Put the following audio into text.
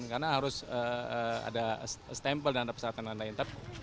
karena harus ada stempel dan pesan pesan lain